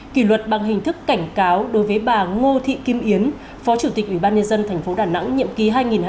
kỷ luật bằng hình thức cảnh cáo đối với bà ngô thị kim yến phó chủ tịch ủy ban nhân dân thành phố đà nẵng nhiệm kỳ hai nghìn hai mươi một hai nghìn hai mươi sáu